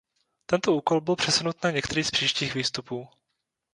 Tento úkol byl přesunut na některý z příštích výstupů.